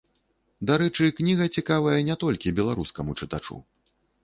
Дарэчы, кніга цікавая не толькі беларускаму чытачу.